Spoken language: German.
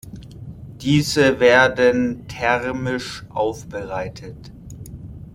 Diese werden thermisch aufbereitet.